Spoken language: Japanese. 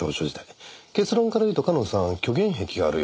結論から言うと夏音さん虚言癖があるようで。